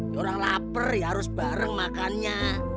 diorang lapar ya harus bareng makannya